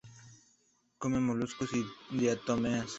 Come moluscos y diatomeas.